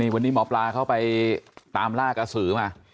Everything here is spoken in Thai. วันนี้หมอปลาเข้าไปตามล่ากระสือมา